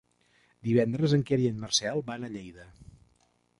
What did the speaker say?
Divendres en Quer i en Marcel van a Lleida.